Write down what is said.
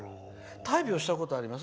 大病したことあります？